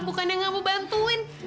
bukan yang gak mau bantuin